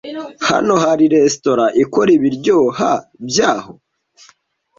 Hano hari resitora ikora ibiryoha byaho?